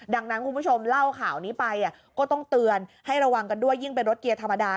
ดังนั้นคุณผู้ชมเล่าข่าวนี้ไปก็ต้องเตือนให้ระวังกันด้วยยิ่งเป็นรถเกียร์ธรรมดา